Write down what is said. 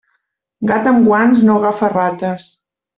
Gat amb guants no agafa rates.